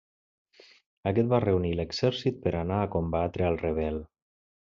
Aquest va reunir l'exèrcit per anar a combatre al rebel.